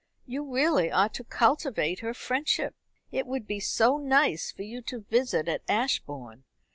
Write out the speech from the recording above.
You really ought to cultivate her friendship. It would be so nice for you to visit at Ashbourne.